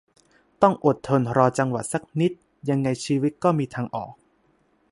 ต้องอดทนรอจังหวะสักนิดยังไงชีวิตก็มีทางออก